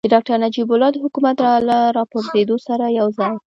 د ډاکتر نجیب الله د حکومت له راپرځېدو سره یوځای.